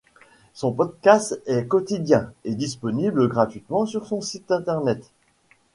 Son podcast est quotidien et disponible gratuitement sur son site internet.